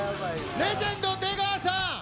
レジェンド出川さん。